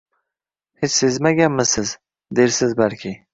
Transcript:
Hech sezmaganmisiz, dersiz balki